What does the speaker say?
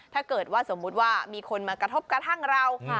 ถ้าเกิดว่าสมมุติว่ามีคนมากระทบกระทั่งเรา